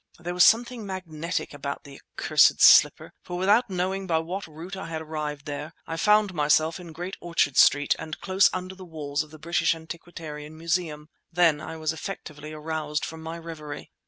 There was something magnetic about the accursed slipper, for without knowing by what route I had arrived there, I found myself in Great Orchard Street and close under the walls of the British Antiquarian Museum. Then I was effectually aroused from my reverie.